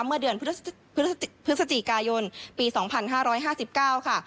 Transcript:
เมื่อเดือนพฤศจิกายนปี๒๕๕๙ค่ะ